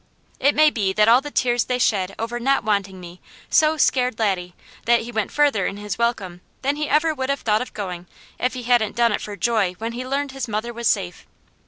It may be that all the tears they shed over not wanting me so scared Laddie that he went farther in his welcome than he ever would have thought of going if he hadn't done it for joy when he learned his mother was safe.